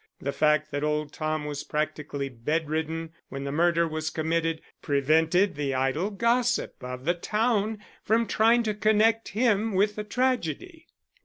The fact that old Tom was practically bedridden when the murder was committed prevented the idle gossip of the town from trying to connect him with the tragedy.